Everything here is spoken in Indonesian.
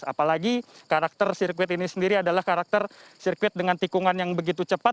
apalagi karakter sirkuit ini sendiri adalah karakter sirkuit dengan tikungan yang begitu cepat